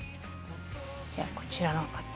じゃあこちらの方。